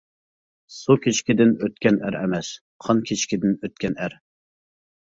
سۇ كىچىكىدىن ئۆتكەن ئەر ئەمەس، قان كىچىكىدىن ئۆتكەن ئەر.